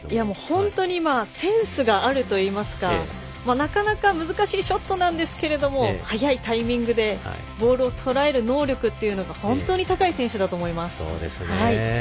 本当にセンスがあるといいますかなかなか難しいショットなんですが早いタイミングでボールをとらえる能力というのが本当に高い選手だと思います。